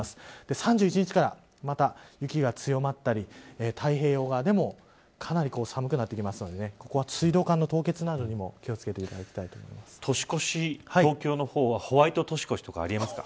３１日からまた雪が強まったり太平洋側でもかなり寒くなってくるのでここは水道管の凍結などにも気を付けていただきたいと年越し、東京の方はホワイト年越しとかあり得ますか。